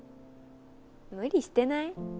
無理してない？